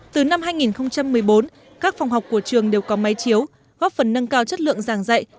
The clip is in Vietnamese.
từ năm hai nghìn một mươi bốn các phòng học của trường đều có máy chiếu góp phần nâng cao chất lượng giảng dạy